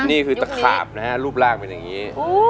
นี่คือตะขาบนะฮะรูปร่างเป็นอย่างนี้